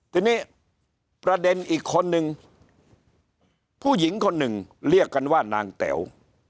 ทีนี้ประเด็นอีกคนนึงผู้หญิงคนหนึ่งเรียกกันว่านางแต๋ว